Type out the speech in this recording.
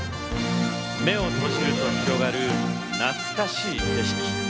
目を閉じると広がる懐かしい景色。